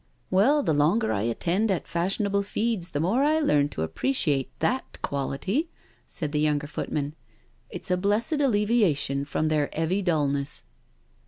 '*" Well, the longer I attend at fashionable feeds the more I learn to appreciate thai quality," said the younger footman, " it's a blessed alleviation from their 'eavy dullness.